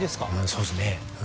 そうですね。